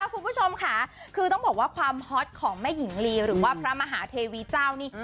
คุณผู้ชมค่ะคือต้องบอกว่าความฮอตของแม่หญิงลีหรือว่าพระมหาเทวีเจ้านี่